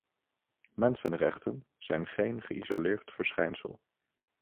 Mensenrechten zijn geen geïsoleerd verschijnsel.